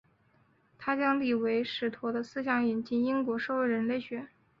他将李维史陀的思想引进英国社会人类学。